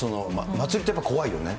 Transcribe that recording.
祭りって怖いよね。